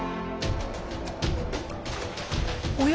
おや？